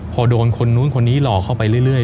พอโดนคนนู้นคนนี้หลอกเข้าไปเรื่อย